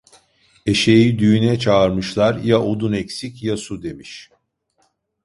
Eşeği düğüne çağırmışlar, ya odun eksik, ya su demiş.